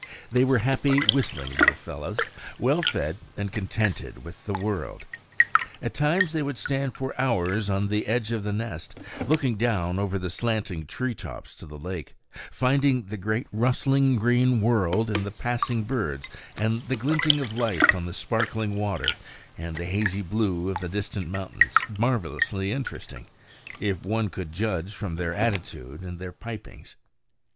They were happy, whistling, little fellows, well fed and contented with the world. At times they would stand for hours on the edge of the nest, looking down over the slanting tree tops to the lake, finding the great rustling green world, and the passing birds, and the glinting of light on the sparkling water, and the hazy blue of the distant mountains marvelously interesting, if one could judge from their attitude and their pipings.